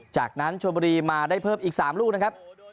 จากนั้นชนบุรีมาได้เพิ่มอีก๓ลูกนะครับ